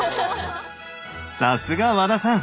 さすが和田さん！